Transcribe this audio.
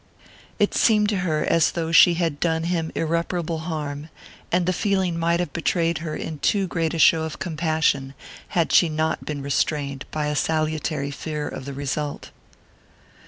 It seemed to her as though she had done him irreparable harm, and the feeling might have betrayed her into too great a show of compassion had she not been restrained by a salutary fear of the result.